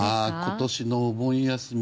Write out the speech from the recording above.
今年のお盆休み